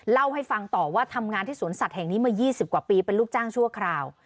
เล่าให้ฟังต่อว่าทำงานที่สวนสัตว์แห่งนี้มา๒๐กว่าปีเป็นลูกจ้างชั่วคราว